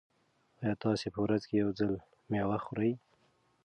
ایا تاسي په ورځ کې یو ځل مېوه خورئ؟